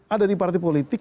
ada di partai politik